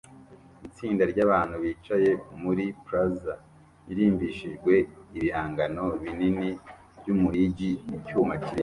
Itsinda ryabantu bicaye muri plaza irimbishijwe ibihangano binini byumuhigi icyuma kibisi